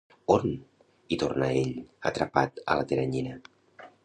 On? —hi torna ell, atrapat a la teranyina.